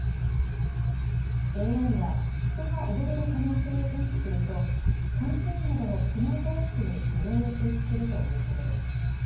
ＡＩは人が溺れる可能性を検知すると監視員などのスマートウォッチに自動で通知するということです。